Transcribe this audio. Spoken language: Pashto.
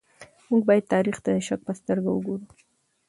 موږ بايد تاريخ ته د شک په سترګه وګورو.